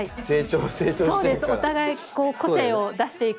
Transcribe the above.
お互い個性を出していく。